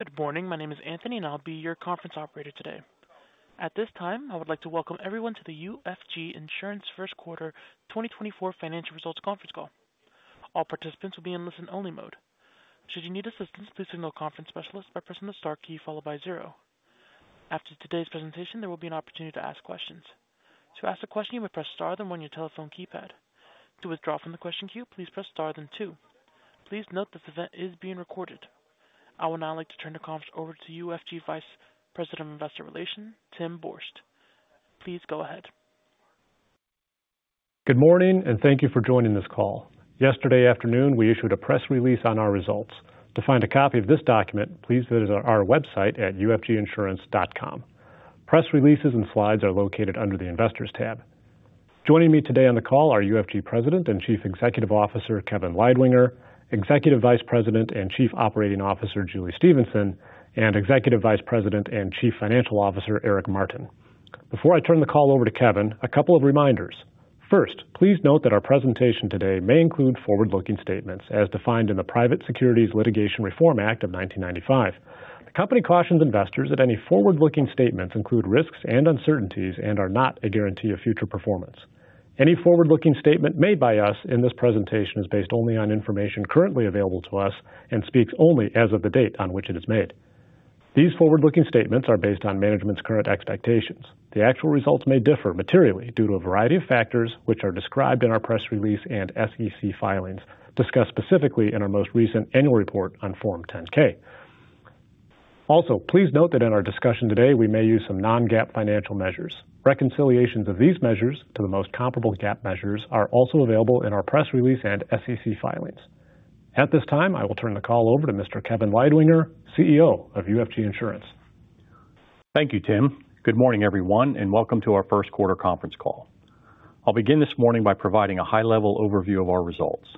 Good morning. My name is Anthony, and I'll be your conference operator today. At this time, I would like to welcome everyone to the UFG Insurance First Quarter 2024 Financial Results Conference Call. All participants will be in listen-only mode. Should you need assistance, please signal a conference specialist by pressing the star key followed by zero. After today's presentation, there will be an opportunity to ask questions. To ask a question, you may press star, then one on your telephone keypad. To withdraw from the question queue, please press star, then two. Please note this event is being recorded. I would now like to turn the conference over to UFG Vice President of Investor Relations, Tim Borst. Please go ahead. Good morning, and thank you for joining this call. Yesterday afternoon, we issued a press release on our results. To find a copy of this document, please visit our website at ufginsurance.com. Press releases and slides are located under the Investors tab. Joining me today on the call are UFG President and Chief Executive Officer, Kevin Leidwinger, Executive Vice President and Chief Operating Officer, Julie Stephenson, and Executive Vice President and Chief Financial Officer, Eric Martin. Before I turn the call over to Kevin, a couple of reminders. First, please note that our presentation today may include forward-looking statements as defined in the Private Securities Litigation Reform Act of 1995. The company cautions investors that any forward-looking statements include risks and uncertainties and are not a guarantee of future performance. Any forward-looking statement made by us in this presentation is based only on information currently available to us and speaks only as of the date on which it is made. These forward-looking statements are based on management's current expectations. The actual results may differ materially due to a variety of factors, which are described in our press release and SEC filings, discussed specifically in our most recent annual report on Form 10-K. Also, please note that in our discussion today, we may use some non-GAAP financial measures. Reconciliations of these measures to the most comparable GAAP measures are also available in our press release and SEC filings. At this time, I will turn the call over to Mr. Kevin Leidwinger, CEO of UFG Insurance. Thank you, Tim. Good morning, everyone, and welcome to our first quarter conference call. I'll begin this morning by providing a high-level overview of our results.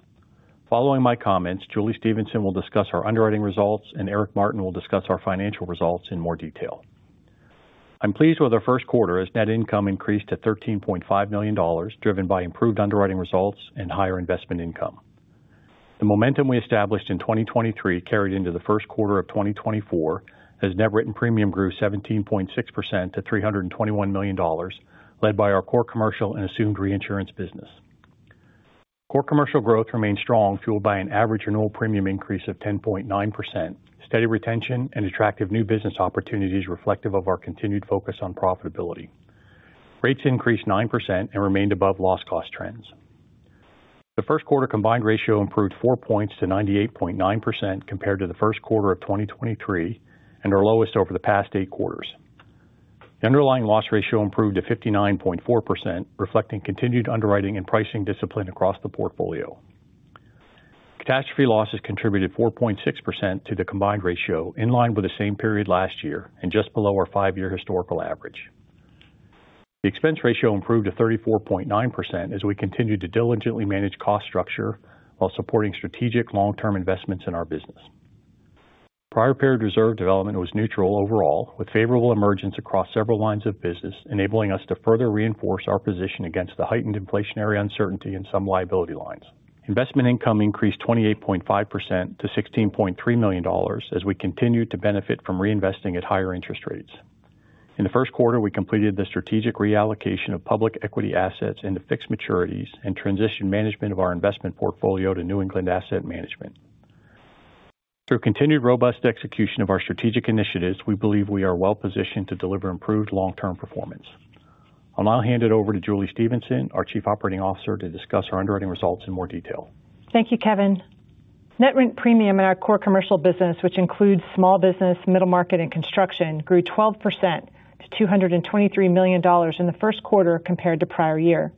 Following my comments, Julie Stephenson will discuss our underwriting results, and Eric Martin will discuss our financial results in more detail. I'm pleased with our first quarter as net income increased to $13.5 million, driven by improved underwriting results and higher investment income. The momentum we established in 2023 carried into the first quarter of 2024 as net written premium grew 17.6% to $321 million, led by our Core Commercial and Assumed Reinsurance business. Core Commercial growth remained strong, fueled by an average annual premium increase of 10.9%, steady retention and attractive new business opportunities reflective of our continued focus on profitability. Rates increased 9% and remained above loss cost trends. The first quarter combined ratio improved 4 points to 98.9% compared to the first quarter of 2023 and our lowest over the past eight quarters. The underlying loss ratio improved to 59.4%, reflecting continued underwriting and pricing discipline across the portfolio. Catastrophe losses contributed 4.6% to the combined ratio, in line with the same period last year and just below our 5-year historical average. The expense ratio improved to 34.9% as we continued to diligently manage cost structure while supporting strategic long-term investments in our business. Prior period reserve development was neutral overall, with favorable emergence across several lines of business, enabling us to further reinforce our position against the heightened inflationary uncertainty in some liability lines. Investment income increased 28.5% to $16.3 million as we continued to benefit from reinvesting at higher interest rates. In the first quarter, we completed the strategic reallocation of public equity assets into fixed maturities and transitioned management of our investment portfolio to New England Asset Management. Through continued robust execution of our strategic initiatives, we believe we are well positioned to deliver improved long-term performance. I'll now hand it over to Julie Stephenson, our Chief Operating Officer, to discuss our underwriting results in more detail. Thank you, Kevin. Net written premium in our Core Commercial business, which includes small business, middle market, and construction, grew 12% to $223 million in the first quarter compared to prior year.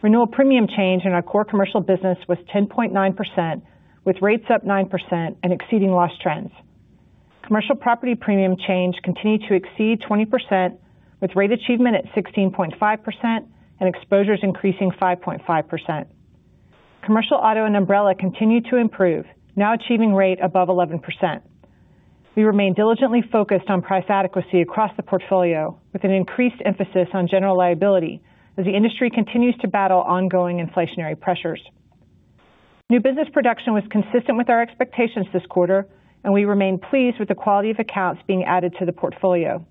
Renewal premium change in our Core Commercial business was 10.9%, with rates up 9% and exceeding loss trends. Commercial Property premium change continued to exceed 20%, with rate achievement at 16.5% and exposures increasing 5.5%. Commercial Auto and Umbrella continued to improve, now achieving rate above 11%. We remain diligently focused on price adequacy across the portfolio, with an increased emphasis on General Liability as the industry continues to battle ongoing inflationary pressures. New business production was consistent with our expectations this quarter, and we remain pleased with the quality of accounts being added to the portfolio.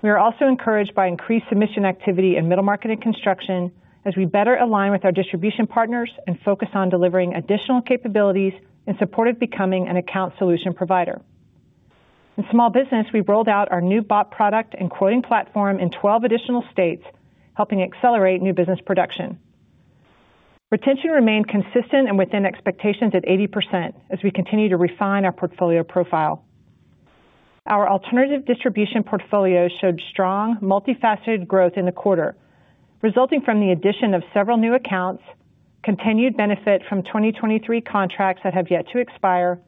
We are also encouraged by increased submission activity in middle market and construction as we better align with our distribution partners and focus on delivering additional capabilities in support of becoming an account solution provider. In small business, we rolled out our new BOP product and quoting platform in 12 additional states, helping accelerate new business production. Retention remained consistent and within expectations at 80% as we continue to refine our portfolio profile. Our Alternative Distribution portfolio showed strong, multifaceted growth in the quarter, resulting from the addition of several new accounts, continued benefit from 2023 contracts that have yet to expire,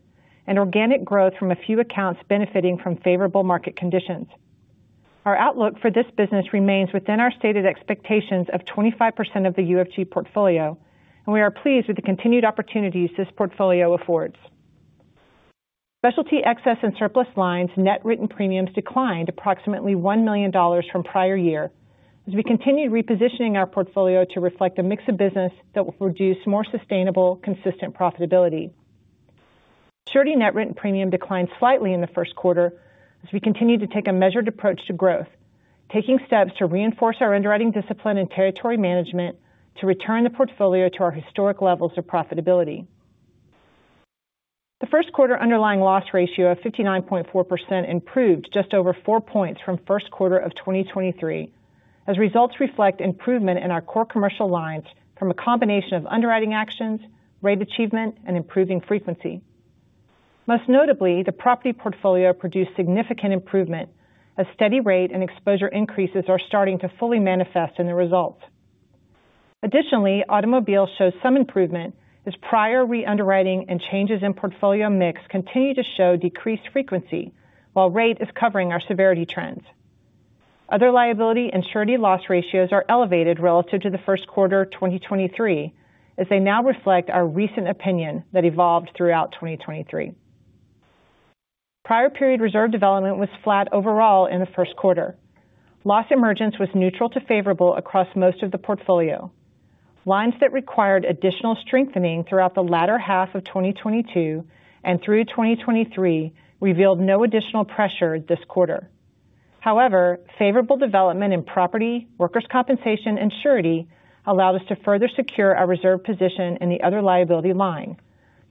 and organic growth from a few accounts benefiting from favorable market conditions. Our outlook for this business remains within our stated expectations of 25% of the UFG portfolio, and we are pleased with the continued opportunities this portfolio affords. Specialty, Excess and Surplus Lines net written premiums declined approximately $1 million from prior year. As we continue repositioning our portfolio to reflect a mix of business that will produce more sustainable, consistent profitability. Surety net written premium declined slightly in the first quarter as we continued to take a measured approach to growth, taking steps to reinforce our underwriting discipline and territory management to return the portfolio to our historic levels of profitability. The first quarter underlying loss ratio of 59.4% improved just over 4 points from first quarter of 2023, as results reflect improvement in our Core Commercial lines from a combination of underwriting actions, rate achievement, and improving frequency. Most notably, the property portfolio produced significant improvement, as steady rate and exposure increases are starting to fully manifest in the results. Additionally, automobile shows some improvement, as prior reunderwriting and changes in portfolio mix continue to show decreased frequency, while rate is covering our severity trends. Other liability and surety loss ratios are elevated relative to the first quarter, 2023, as they now reflect our recent opinion that evolved throughout 2023. Prior period reserve development was flat overall in the first quarter. Loss emergence was neutral to favorable across most of the portfolio. Lines that required additional strengthening throughout the latter half of 2022 and through 2023 revealed no additional pressure this quarter. However, favorable development in property, workers' compensation, and surety allowed us to further secure our reserve position in the other liability line,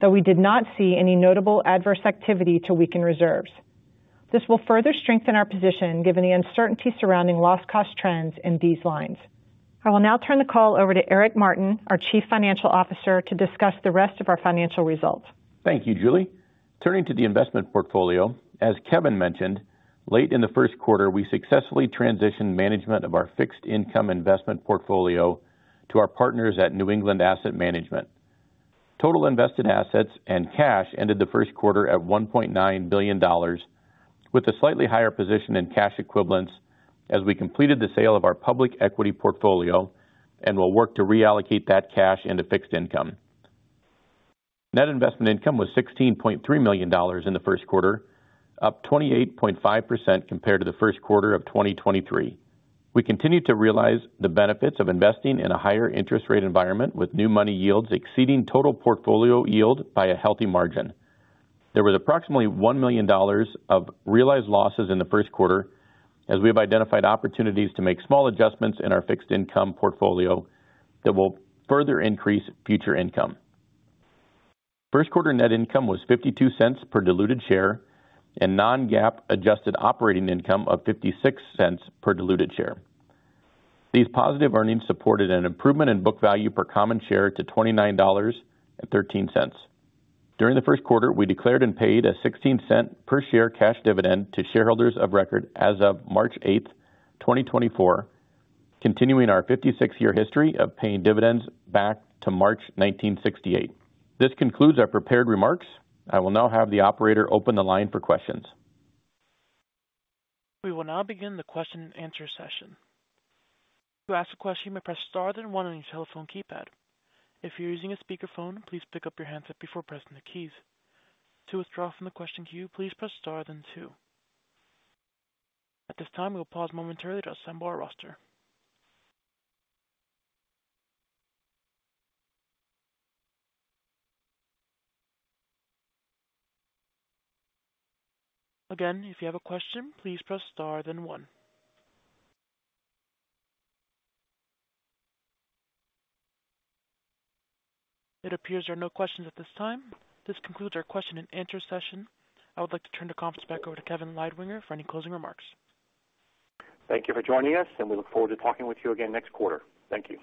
though we did not see any notable adverse activity to weaken reserves. This will further strengthen our position, given the uncertainty surrounding loss cost trends in these lines. I will now turn the call over to Eric Martin, our Chief Financial Officer, to discuss the rest of our financial results. Thank you, Julie. Turning to the investment portfolio, as Kevin mentioned, late in the first quarter, we successfully transitioned management of our fixed income investment portfolio to our partners at New England Asset Management. Total invested assets and cash ended the first quarter at $1.9 billion, with a slightly higher position in cash equivalents as we completed the sale of our public equity portfolio and will work to reallocate that cash into fixed income. Net investment income was $16.3 million in the first quarter, up 28.5% compared to the first quarter of 2023. We continued to realize the benefits of investing in a higher interest rate environment, with new money yields exceeding total portfolio yield by a healthy margin. There was approximately $1 million of realized losses in the first quarter, as we have identified opportunities to make small adjustments in our fixed income portfolio that will further increase future income. First quarter net income was $0.52 per diluted share and non-GAAP adjusted operating income of $0.56 per diluted share. These positive earnings supported an improvement in book value per common share to $29.13. During the first quarter, we declared and paid a 16-cent per share cash dividend to shareholders of record as of March eighth, 2024, continuing our 56-year history of paying dividends back to March 1968. This concludes our prepared remarks. I will now have the operator open the line for questions. We will now begin the Q&A session. To ask a question, you may press star, then one on your telephone keypad. If you're using a speakerphone, please pick up your handset before pressing the keys. To withdraw from the question queue, please press star, then two. At this time, we'll pause momentarily to assemble our roster. Again, if you have a question, please press star, then one. It appears there are no questions at this time. This concludes our Q&A session. I would like to turn the conference back over to Kevin Leidwinger for any closing remarks. Thank you for joining us, and we look forward to talking with you again next quarter. Thank you.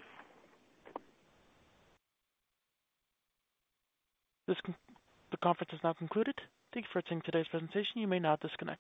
The conference is now concluded. Thank you for attending today's presentation. You may now disconnect.